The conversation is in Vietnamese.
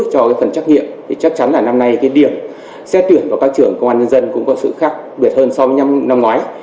chắc chắn là năm nay cái điểm xét tuyển của các trường công an dân dân cũng có sự khác được hơn so với năm ngoái